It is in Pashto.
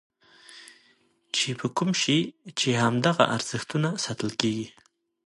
چې په کوم شي چې همدغه ارزښتونه ساتل کېږي.